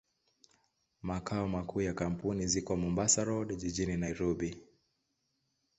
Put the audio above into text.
Makao makuu ya kampuni ziko Mombasa Road, jijini Nairobi.